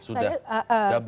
sudah gabung ya